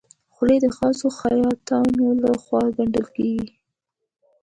خولۍ د خاصو خیاطانو لهخوا ګنډل کېږي.